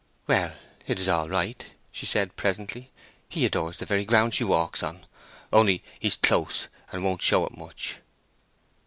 "Well, it is all right," she said, presently. "He adores the very ground she walks on; only he's close, and won't show it much."